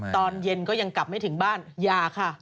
ตอนเย็นก็ยังกลับไม่ถึงบ้านอย่าค่ะ